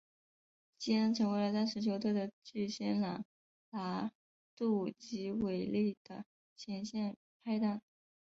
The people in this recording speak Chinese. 基恩成为了当时球队的巨星朗拿度及韦利的前线拍挡。